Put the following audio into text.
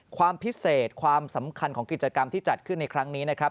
ความพิเศษความสำคัญของกิจกรรมที่จัดขึ้นในครั้งนี้นะครับ